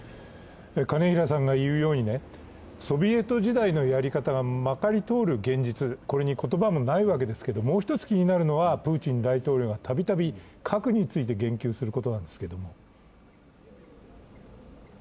金平さんが言うように、ソビエト時代のやり方がまかり通る現実、これに言葉もないわけですけれども、もう一つ気になるのはプーチン大統領がたびたび核について言及することなんですけれども？